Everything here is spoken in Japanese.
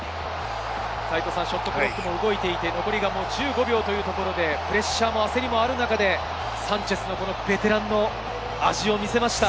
ショットクロックも動いていて残りが１５秒というところでプレッシャーも焦りもある中、サンチェスのベテランの味を見せました。